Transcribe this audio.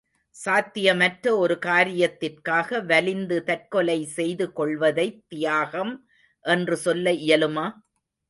சாத்தியமற்ற ஒரு காரியத்திற்காக வலிந்து தற்கொலை செய்து கொள்வதைத் தியாகம் என்று சொல்ல இயலுமா?